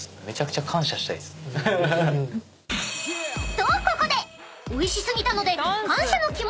［とここでおいし過ぎたので］